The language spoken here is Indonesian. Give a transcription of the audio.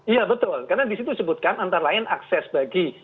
iya betul karena disitu disebutkan antara lain akses bagi